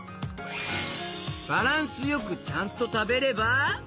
バランスよくちゃんとたべれば。